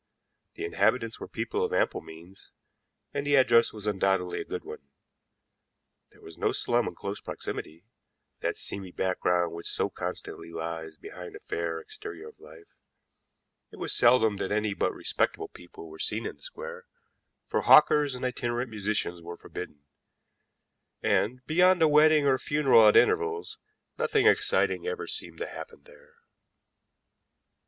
The inhabitants were people of ample means, and the address was undoubtedly a good one. There was no slum in close proximity, that seamy background which so constantly lies behind a fair exterior of life; it was seldom that any but respectable people were seen in the square, for hawkers and itinerant musicians were forbidden; and, beyond a wedding or a funeral at intervals, nothing exciting ever seemed to happen there.